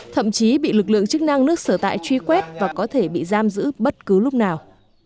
thậm chí bị lực lượng chức năng nước sở tại truy quét và có thể bị giam giữ bất cứ lúc nào